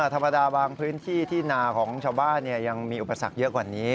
ธรรมดาบางพื้นที่ที่นาของชาวบ้านยังมีอุปสรรคเยอะกว่านี้